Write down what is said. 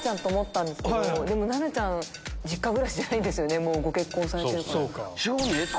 でも菜名ちゃん実家暮らしじゃないですねご結婚されてるから。